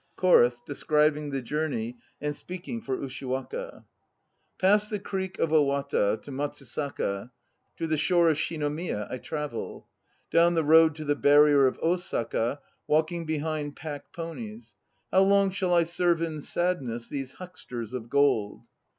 CHORUS (describing the journey and speaking for USHIWAKA). Past the creek of Awata, to Matsusaka, To the shore of Shinomiya I travel. Down the road to the barrier of Osaka walking behind pack ponies, How long shall I serve in sadness these hucksters of gold?